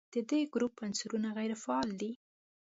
د دې ګروپ عنصرونه غیر فعال دي.